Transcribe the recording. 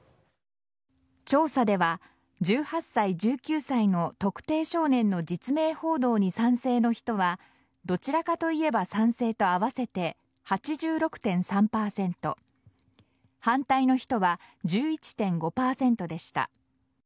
調査では１８歳・１９歳の特定少年の実名報道に賛成の人はどちらかといえば賛成と合わせて８６．３％反対の人は１１．５％でした。